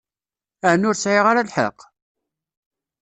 Ɛni ur sɛiɣ ara lḥeqq?